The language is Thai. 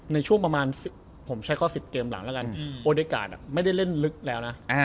ในช่วงประมาณ๑๐เกมหลังโอเดการด์ไม่ได้เล่นลึกแล้วนะ